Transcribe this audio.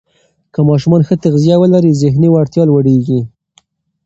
که ماشومان ښه تغذیه ولري، ذهني وړتیا لوړېږي.